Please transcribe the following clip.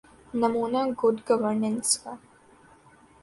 نمونہ good governance کا۔